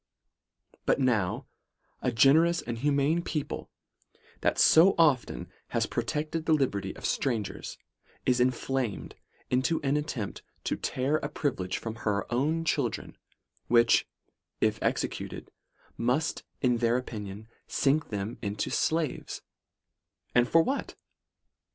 But now, a generous, humane people, that so often have protected the liberty of strangers, is inflamed into an attempt to tear a privilege from her own children, which if executed, must, in their opinion, sink them into slaves: and for what?